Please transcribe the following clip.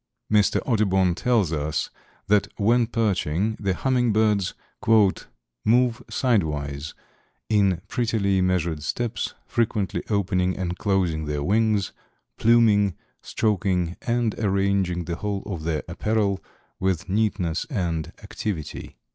Mr. Audubon tells us that when perching the hummingbirds "move sidewise in prettily measured steps, frequently opening and closing their wings, pluming, stroking and arranging the whole of their apparel with neatness and activity."